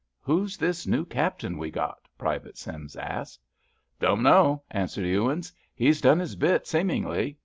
"Who's this new captain we got?" Private Sims asked. "Don't know," answered Ewins. "He's done his bit, seemingly."